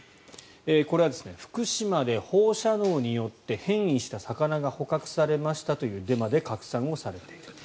これは福島で放射能によって変異した魚が捕獲されましたというデマで拡散をされている。